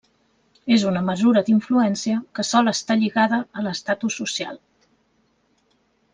És una mesura d'influència, que sol estar lligada a l'estatus social.